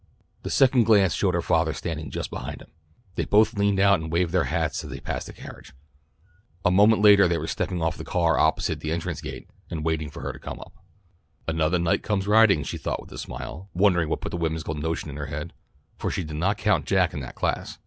The second glance showed her father standing just behind him. They both leaned out and waved their hats as they passed the carriage. A moment later they were stepping off the car opposite the entrance gate, and waiting for her to come up. "Anothah knight comes riding," she thought with a smile, wondering what put the whimsical notion in her head, for she did not count Jack in that class.